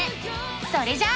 それじゃあ。